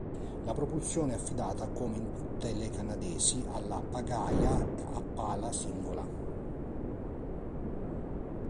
La propulsione è affidata come in tutte le canadesi alla pagaia a pala singola.